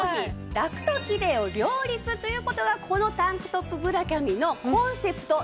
ラクとキレイを両立という事がこのタンクトップブラキャミのコンセプトなんです。